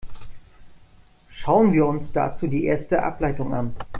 Schauen wir uns dazu die erste Ableitung an.